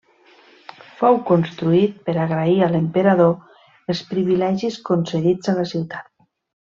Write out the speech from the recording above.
Fou construït per agrair a l'emperador els privilegis concedits a la ciutat.